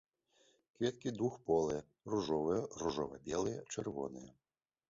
Кветкі двухполыя, ружовыя, ружова-белыя, чырвоныя.